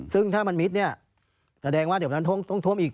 ซึ่งถ้ามันมิดเนี่ยแสดงว่าเดี๋ยวนั้นต้องท่วมอีก